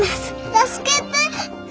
助けて。